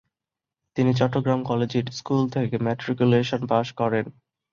তিনি Chittagong collegiate school থেকে matriculation পাশ করেন।